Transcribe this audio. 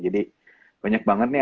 jadi banyak banget nih